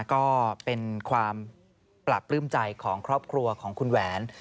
ก็เป็นความปราบปลื้มใจของครอบครัวของคุณแหวน